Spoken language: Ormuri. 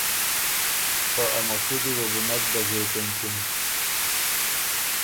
خه ا مسُودی وه بُو نک ډزېک اېنچِن